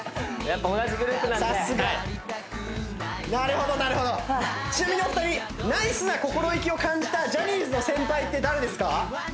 やっぱ同じグループなんでさすがなるほどなるほどちなみにお二人ナイスな心意気を感じたジャニーズの先輩って誰ですか？